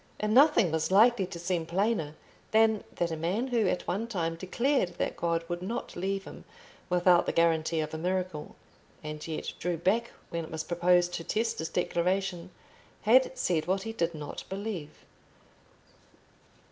And nothing was likely to seem plainer than that a man who at one time declared that God would not leave him without the guarantee of a miracle, and yet drew back when it was proposed to test his declaration, had said what he did not believe.